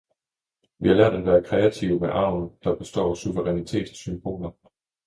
Vi har lært at være kreative med arven, der består af suverænitet og symboler.